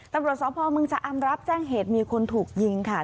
ตำรวจสพเมืองชะอำรับแจ้งเหตุมีคนถูกยิงค่ะ